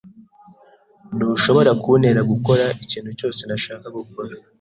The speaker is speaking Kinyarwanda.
Ntushobora kuntera gukora ikintu cyose ntashaka gukora.